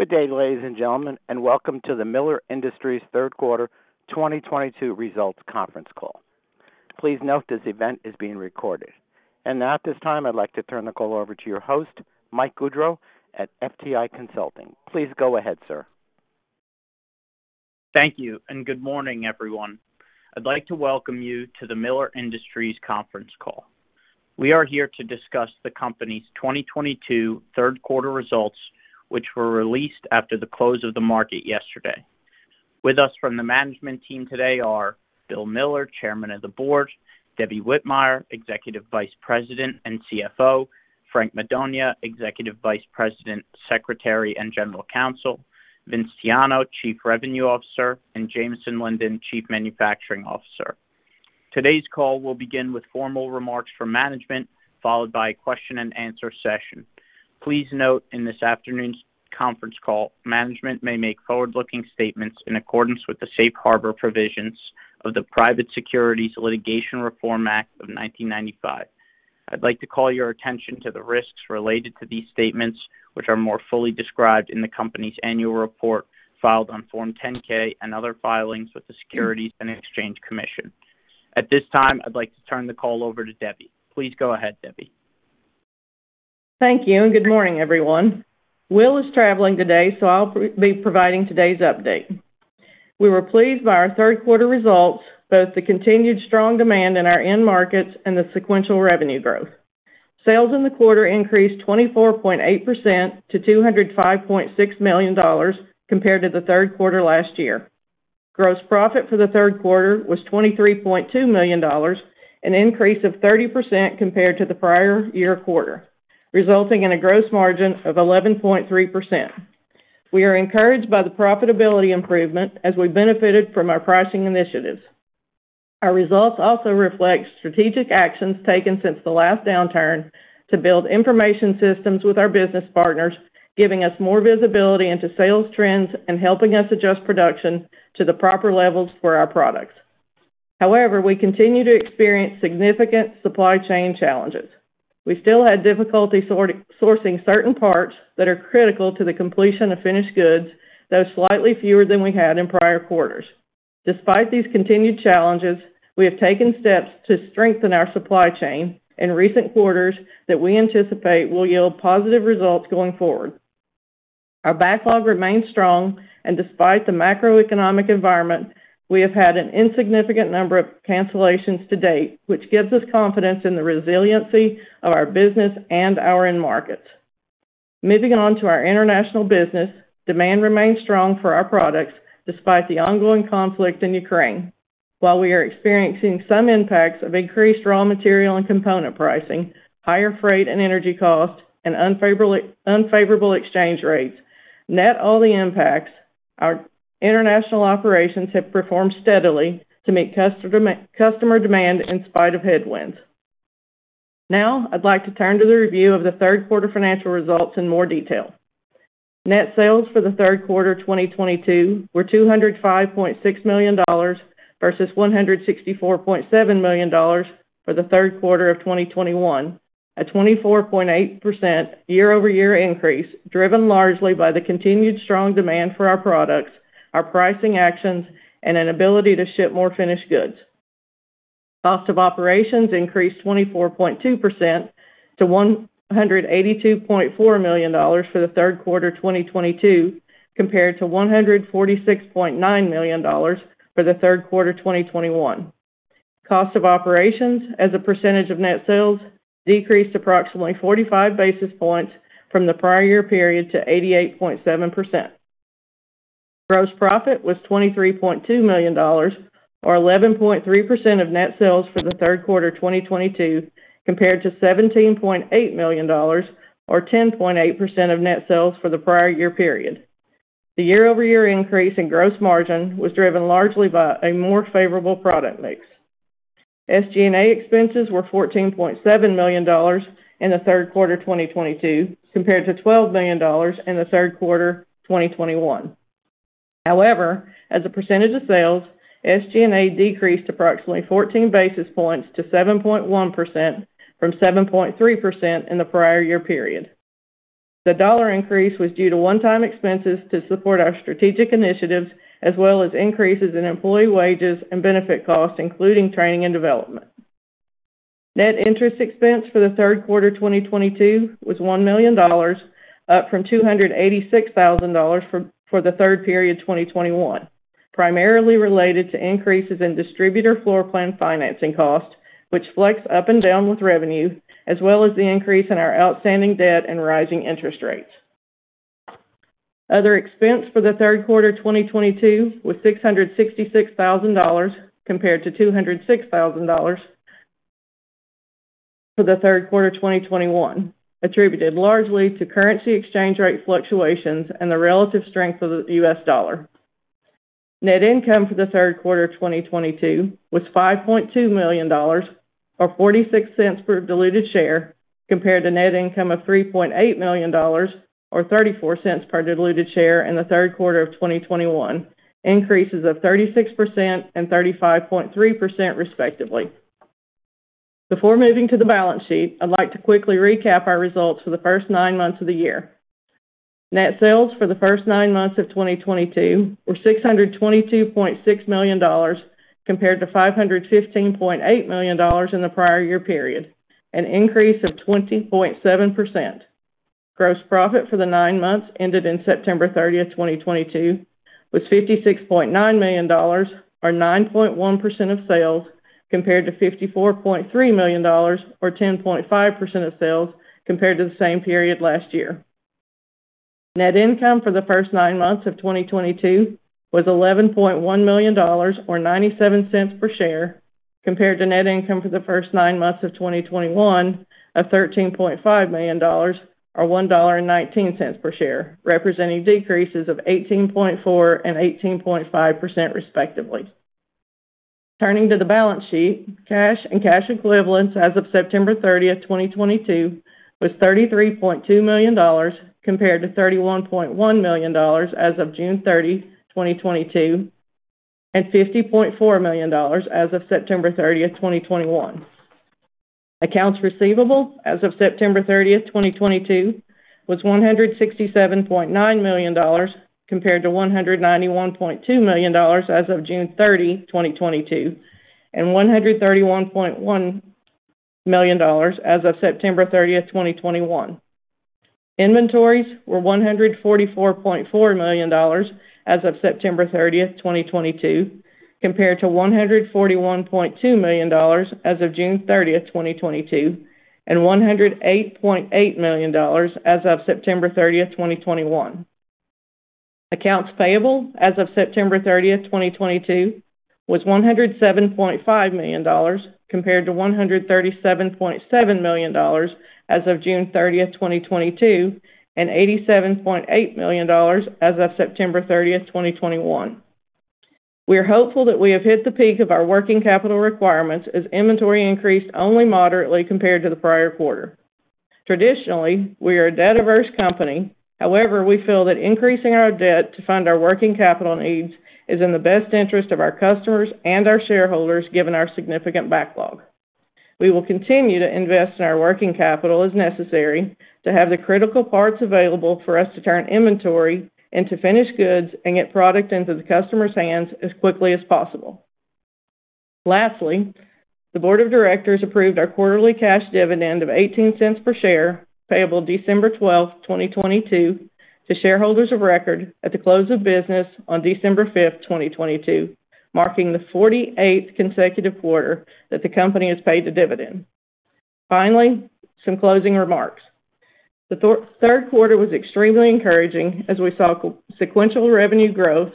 Good day, ladies and gentlemen, and welcome to the Miller Industries Third Quarter 2022 Results Conference Call. Please note, this event is being recorded. Now at this time, I'd like to turn the call over to your host, Mike Gaudreau at FTI Consulting. Please go ahead, sir. Thank you, and good morning, everyone. I'd like to welcome you to the Miller Industries Conference call. We are here to discuss the company's 2022 third quarter results, which were released after the close of the market yesterday. With us from the management team today are Bill Miller, Chairman of the Board, Debbie Whitmire, Executive Vice President and CFO, Frank Madonia, Executive Vice President, Secretary, and General Counsel, Vin Tiano, Chief Revenue Officer, and Jamison Linden, Chief Manufacturing Officer. Today's call will begin with formal remarks from management, followed by a question-and-answer session. Please note on this afternoon's conference call, management may make forward-looking statements in accordance with the safe harbor provisions of the Private Securities Litigation Reform Act of 1995. I'd like to call your attention to the risks related to these statements, which are more fully described in the company's annual report filed on Form 10-K and other filings with the Securities and Exchange Commission. At this time, I'd like to turn the call over to Debbie. Please go ahead, Debbie. Thank you, and good morning, everyone. Will is traveling today, so I'll be providing today's update. We were pleased by our third quarter results, both the continued strong demand in our end markets and the sequential revenue growth. Sales in the quarter increased 24.8% to $205.6 million compared to the third quarter last year. Gross profit for the third quarter was $23.2 million, an increase of 30% compared to the prior year quarter, resulting in a gross margin of 11.3%. We are encouraged by the profitability improvement as we benefited from our pricing initiatives. Our results also reflect strategic actions taken since the last downturn to build information systems with our business partners, giving us more visibility into sales trends and helping us adjust production to the proper levels for our products. However, we continue to experience significant supply chain challenges. We still had difficulty sourcing certain parts that are critical to the completion of finished goods, though slightly fewer than we had in prior quarters. Despite these continued challenges, we have taken steps to strengthen our supply chain in recent quarters that we anticipate will yield positive results going forward. Our backlog remains strong, and despite the macroeconomic environment, we have had an insignificant number of cancellations to date, which gives us confidence in the resiliency of our business and our end markets. Moving on to our international business, demand remains strong for our products despite the ongoing conflict in Ukraine. While we are experiencing some impacts of increased raw material and component pricing, higher freight and energy costs, and unfavorable exchange rates, net of all the impacts, our international operations have performed steadily to meet customer demand in spite of headwinds. Now, I'd like to turn to the review of the third quarter financial results in more detail. Net sales for the third quarter 2022 were $205.6 million versus $164.7 million for the third quarter of 2021, a 24.8% year-over-year increase, driven largely by the continued strong demand for our products, our pricing actions, and an ability to ship more finished goods. Cost of operations increased 24.2% to $182.4 million for the third quarter 2022, compared to $146.9 million for the third quarter 2021. Cost of operations as a percentage of net sales decreased approximately 45 basis points from the prior year period to 88.7%. Gross profit was $23.2 million, or 11.3% of net sales for the third quarter 2022, compared to $17.8 million, or 10.8% of net sales for the prior year period. The year-over-year increase in gross margin was driven largely by a more favorable product mix. SG&A expenses were $14.7 million in the third quarter 2022, compared to $12 million in the third quarter 2021. However, as a percentage of sales, SG&A decreased approximately 14 basis points to 7.1% from 7.3% in the prior year period. The dollar increase was due to one-time expenses to support our strategic initiatives, as well as increases in employee wages and benefit costs, including training and development. Net interest expense for the third quarter 2022 was $1 million, up from $286,000 for the third quarter 2021, primarily related to increases in distributor floor plan financing costs, which flex up and down with revenue, as well as the increase in our outstanding debt and rising interest rates. Other expense for the third quarter 2022 was $666,000 compared to $206,000 for the third quarter 2021, attributed largely to currency exchange rate fluctuations and the relative strength of the US dollar. Net income for the third quarter 2022 was $5.2 million, or $0.46 per diluted share, compared to net income of $3.8 million, or $0.34 per diluted share in the third quarter of 2021, increases of 36% and 35.3% respectively. Before moving to the balance sheet, I'd like to quickly recap our results for the first nine months of the year. Net sales for the first nine months of 2022 were $622.6 million compared to $515.8 million in the prior year period, an increase of 20.7%. Gross profit for the nine months ended September 30, 2022 was $56.9 million or 9.1% of sales compared to $54.3 million or 10.5% of sales compared to the same period last year. Net income for the first nine months of 2022 was $11.1 million or $0.97 per share compared to net income for the first nine months of 2021 of $13.5 million or $1.19 per share, representing decreases of 18.4% and 18.5% respectively. Turning to the balance sheet, cash and cash equivalents as of September 30, 2022 was $33.2 million compared to $31.1 million as of June 30, 2022, and $50.4 million as of September 30, 2021. Accounts receivable as of September 30, 2022 was $167.9 million compared to $191.2 million as of June 30, 2022, and $131.1 million as of September 30, 2021. Inventories were $144.4 million as of September 30, 2022 compared to $141.2 million as of June 30, 2022, and $108.8 million as of September 30, 2021. Accounts payable as of September 30, 2022 was $107.5 million compared to $137.7 million as of June 30, 2022, and $87.8 million as of September 30, 2021. We are hopeful that we have hit the peak of our working capital requirements as inventory increased only moderately compared to the prior quarter. Traditionally, we are a debt-averse company. However, we feel that increasing our debt to fund our working capital needs is in the best interest of our customers and our shareholders, given our significant backlog. We will continue to invest in our working capital as necessary to have the critical parts available for us to turn inventory into finished goods and get product into the customers' hands as quickly as possible. Lastly, the board of directors approved our quarterly cash dividend of $0.18 per share, payable December twelfth, 2022 to shareholders of record at the close of business on December fifth, 2022, marking the 48th consecutive quarter that the company has paid a dividend. Finally, some closing remarks. The third quarter was extremely encouraging as we saw sequential revenue growth,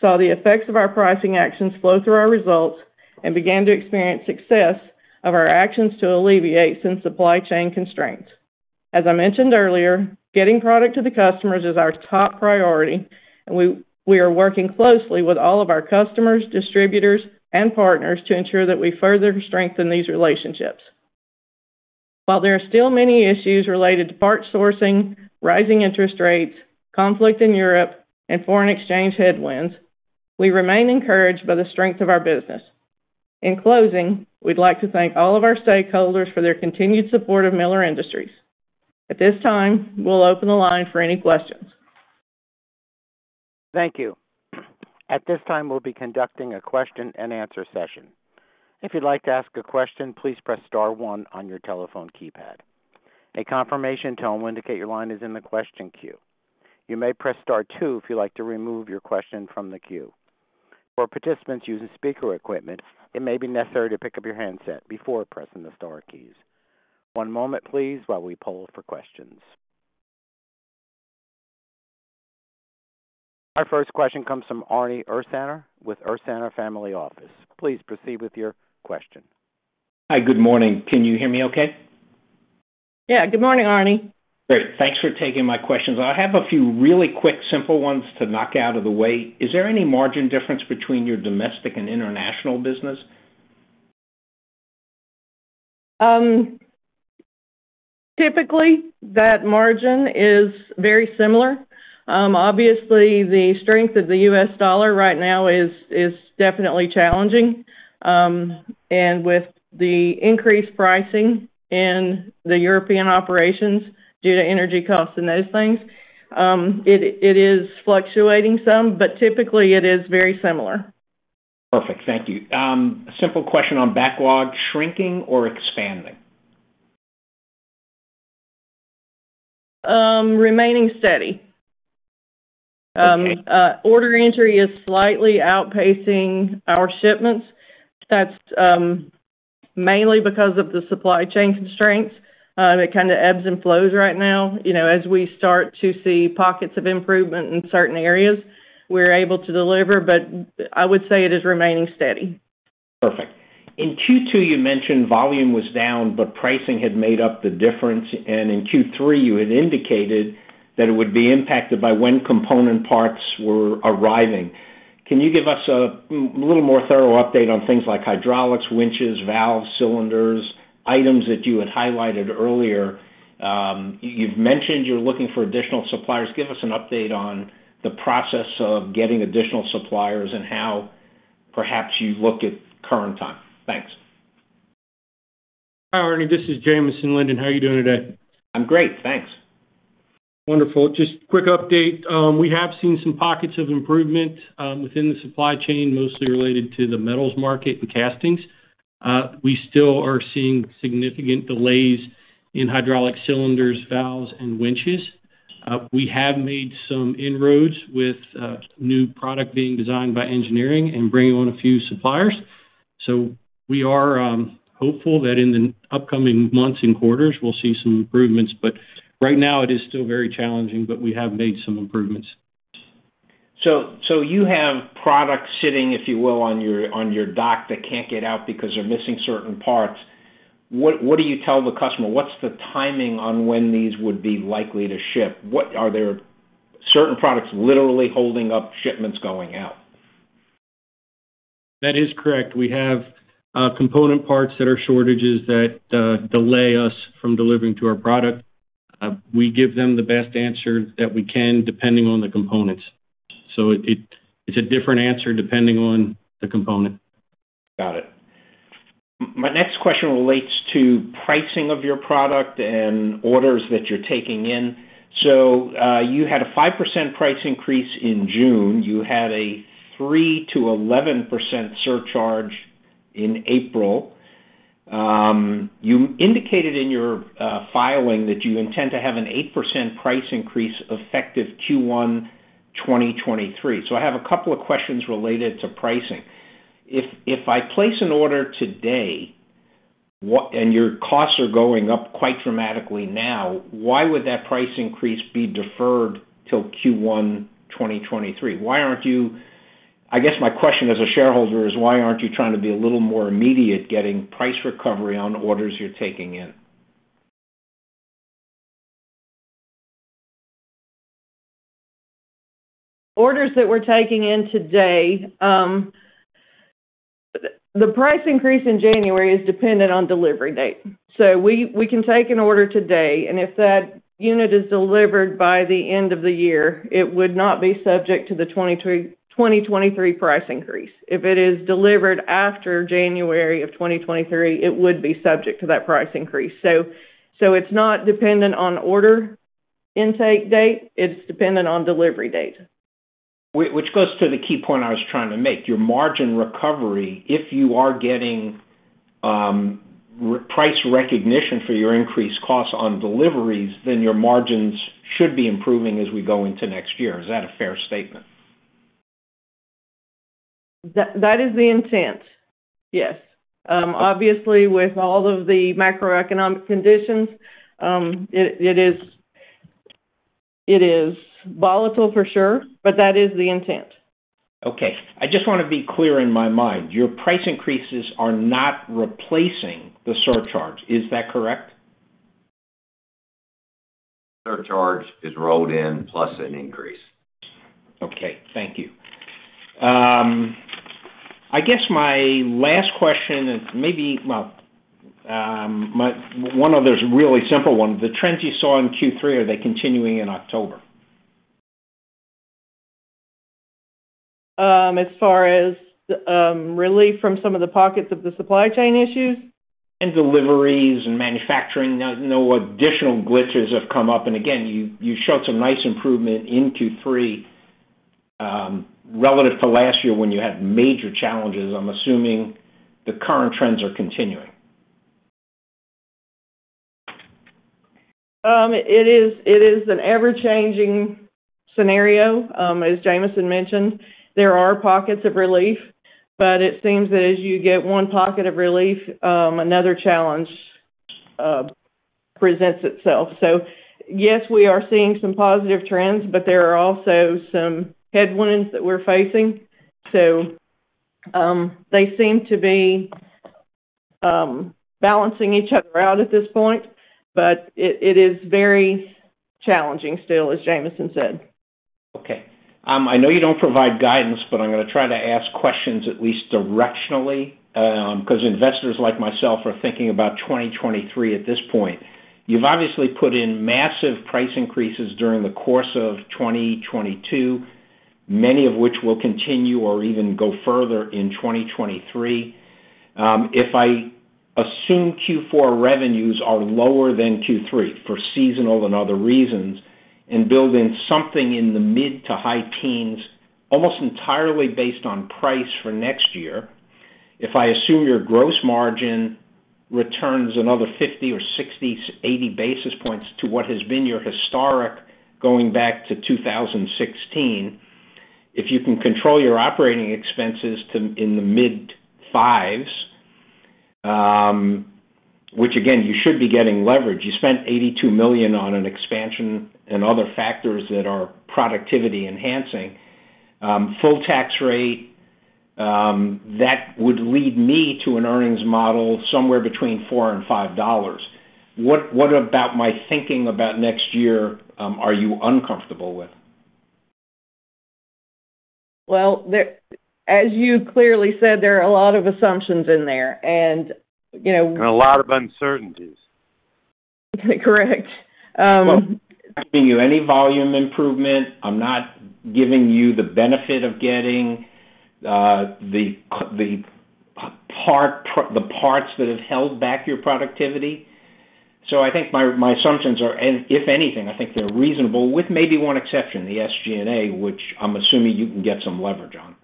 saw the effects of our pricing actions flow through our results, and began to experience success of our actions to alleviate some supply chain constraints. As I mentioned earlier, getting product to the customers is our top priority, and we are working closely with all of our customers, distributors, and partners to ensure that we further strengthen these relationships. While there are still many issues related to part sourcing, rising interest rates, conflict in Europe, and foreign exchange headwinds, we remain encouraged by the strength of our business. In closing, we'd like to thank all of our stakeholders for their continued support of Miller Industries. At this time, we'll open the line for any questions. Thank you. At this time, we'll be conducting a question and answer session. If you'd like to ask a question, please press star one on your telephone keypad. A confirmation tone will indicate your line is in the question queue. You may press star two if you'd like to remove your question from the queue. For participants using speaker equipment, it may be necessary to pick up your handset before pressing the star keys. One moment, please, while we poll for questions. Our first question comes from Arnie Ursaner with Ursaner Family Office. Please proceed with your question. Hi, good morning. Can you hear me okay? Yeah. Good morning, Arnie. Great. Thanks for taking my questions. I have a few really quick, simple ones to knock out of the way. Is there any margin difference between your domestic and international business? Typically, that margin is very similar. Obviously the strength of the US dollar right now is definitely challenging. With the increased pricing in the European operations due to energy costs and those things, it is fluctuating some, but typically it is very similar. Perfect. Thank you. A simple question on backlog. Shrinking or expanding? Remaining steady. Okay. Order entry is slightly outpacing our shipments. That's mainly because of the supply chain constraints. It kind of ebbs and flows right now. You know, as we start to see pockets of improvement in certain areas, we're able to deliver, but I would say it is remaining steady. Perfect. In Q2, you mentioned volume was down, but pricing had made up the difference. In Q3, you had indicated that it would be impacted by when component parts were arriving. Can you give us a little more thorough update on things like hydraulics, winches, valves, cylinders, items that you had highlighted earlier? You've mentioned you're looking for additional suppliers. Give us an update on the process of getting additional suppliers and how perhaps you look at current time. Thanks. Hi, Arnie. This is Jamison Linden. How are you doing today? I'm great, thanks. Wonderful. Just quick update. We have seen some pockets of improvement within the supply chain, mostly related to the metals market and castings. We still are seeing significant delays in hydraulic cylinders, valves, and winches. We have made some inroads with new product being designed by engineering and bringing on a few suppliers. We are hopeful that in the upcoming months and quarters, we'll see some improvements. Right now it is still very challenging, but we have made some improvements. You have products sitting, if you will, on your dock that can't get out because they're missing certain parts. What do you tell the customer? What's the timing on when these would be likely to ship? Are there certain products literally holding up shipments going out? That is correct. We have component parts that are shortages that delay us from delivering to our product. We give them the best answer that we can, depending on the components. It's a different answer depending on the component. Got it. My next question relates to pricing of your product and orders that you're taking in. You had a 5% price increase in June. You had a 3%-11% surcharge in April. You indicated in your filing that you intend to have an 8% price increase effective Q1 2023. I have a couple of questions related to pricing. If I place an order today, and your costs are going up quite dramatically now, why would that price increase be deferred till Q1 2023? I guess my question as a shareholder is why aren't you trying to be a little more immediate getting price recovery on orders you're taking in? Orders that we're taking in today, the price increase in January is dependent on delivery date. We can take an order today, and if that unit is delivered by the end of the year, it would not be subject to the 2023 price increase. If it is delivered after January of 2023, it would be subject to that price increase. It's not dependent on order intake date, it's dependent on delivery date. Which goes to the key point I was trying to make. Your margin recovery, if you are getting price recognition for your increased costs on deliveries, then your margins should be improving as we go into next year. Is that a fair statement? That is the intent, yes. Obviously, with all of the macroeconomic conditions, it is volatile for sure, but that is the intent. Okay. I just wanna be clear in my mind, your price increases are not replacing the surcharge. Is that correct? Surcharge is rolled in plus an increase. Okay, thank you. I guess my last question is one of those really simple one. The trends you saw in Q3, are they continuing in October? As far as relief from some of the pockets of the supply chain issues? Deliveries and manufacturing. No additional glitches have come up. Again, you showed some nice improvement in Q3, relative to last year when you had major challenges. I'm assuming the current trends are continuing. It is an ever-changing scenario. As Jamison mentioned, there are pockets of relief, but it seems that as you get one pocket of relief, another challenge presents itself. Yes, we are seeing some positive trends, but there are also some headwinds that we're facing. They seem to be balancing each other out at this point, but it is very challenging still, as Jamison said. Okay. I know you don't provide guidance, but I'm gonna try to ask questions at least directionally, 'cause investors like myself are thinking about 2023 at this point. You've obviously put in massive price increases during the course of 2022, many of which will continue or even go further in 2023. If I assume Q4 revenues are lower than Q3 for seasonal and other reasons, and build in something in the mid to high teens, almost entirely based on price for next year. If I assume your gross margin returns another 50 or 60, 80 basis points to what has been your historic going back to 2016. If you can control your operating expenses to in the mid-fives, which again, you should be getting leverage. You spent $82 million on an expansion and other factors that are productivity enhancing. Full tax rate, that would lead me to an earnings model somewhere between $4-$5. What about my thinking about next year, are you uncomfortable with? Well, there, as you clearly said, there are a lot of assumptions in there, and, you know. A lot of uncertainties. Correct. Well, I'm giving you any volume improvement. I'm not giving you the benefit of getting the parts that have held back your productivity. I think my assumptions are, and if anything, I think they're reasonable with maybe one exception, the SG&A, which I'm assuming you can get some leverage on.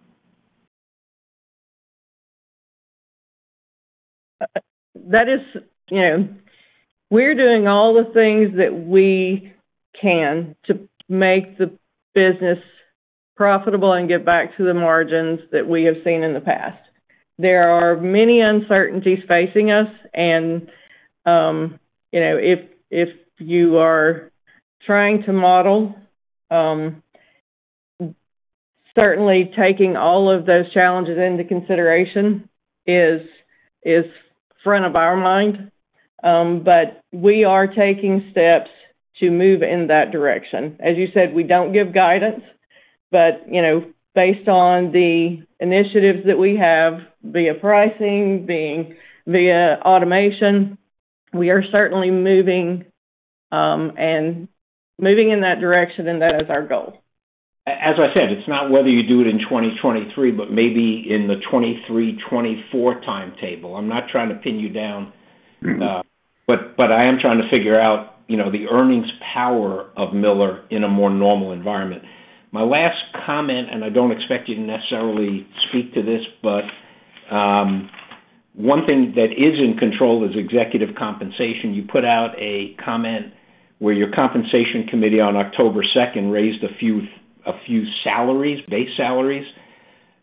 That is, you know, we're doing all the things that we can to make the business profitable and get back to the margins that we have seen in the past. There are many uncertainties facing us and, you know, if you are trying to model, certainly taking all of those challenges into consideration is front of our mind. We are taking steps to move in that direction. As you said, we don't give guidance, but, you know, based on the initiatives that we have via pricing, via automation, we are certainly moving, and moving in that direction, and that is our goal. As I said, it's not whether you do it in 2023, but maybe in the 2023, 2024 timetable. I'm not trying to pin you down. Mm-hmm. I am trying to figure out, you know, the earnings power of Miller in a more normal environment. My last comment, and I don't expect you to necessarily speak to this, one thing that is in control is executive compensation. You put out a comment where your compensation committee on October second raised a few salaries, base salaries.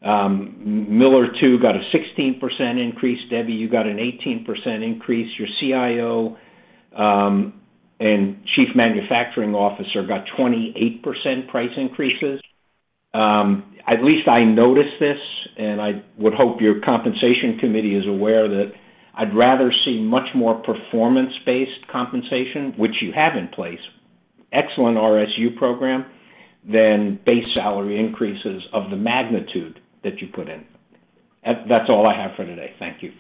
William Miller II got a 16% increase. Debbie Whitmire, you got an 18% increase. Your CIO and Chief Manufacturing Officer got 28% pay increases. At least I noticed this, and I would hope your compensation committee is aware that I'd rather see much more performance-based compensation, which you have in place, excellent RSU program, than base salary increases of the magnitude that you put in. That's all I have for today. Thank you.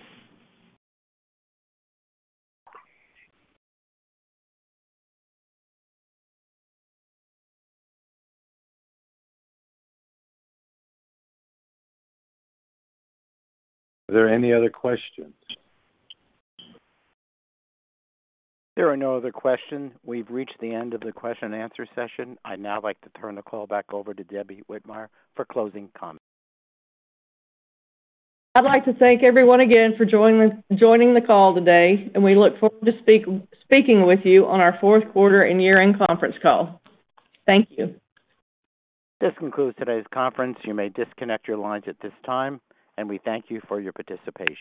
Are there any other questions? There are no other questions. We've reached the end of the question and answer session. I'd now like to turn the call back over to Debbie Whitmire for closing comments. I'd like to thank everyone again for joining the call today, and we look forward to speaking with you on our fourth quarter and year-end conference call. Thank you. This concludes today's conference. You may disconnect your lines at this time, and we thank you for your participation.